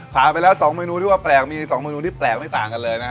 ถามไปแล้วสองเมนูที่แปลกมีสองเมนูที่แปลกไม่ต่างกันเลยนะคะ